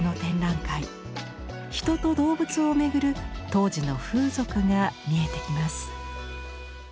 人と動物をめぐる当時の風俗が見えてきます。